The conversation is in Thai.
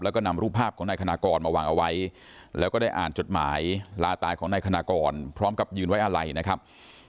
แล้วก็นำรูปภาพของนายคณะกรมาวางเอาไว้แล้วก็ได้อ่านจดหมายลาตายของนายคณะกรพร้อมกับยืนไว้อะไรนะครับ